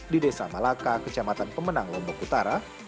di desa malaka kecamatan pemenang lombok utara